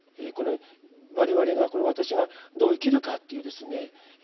この我々がこの私がどう生きるかっていうですね